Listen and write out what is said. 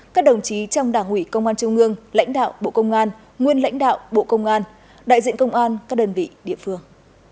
các đồng chí trong đảng ủy công an trung ương lãnh đạo bộ công an nguyên lãnh đạo bộ công an đại diện công an các đơn vị địa phương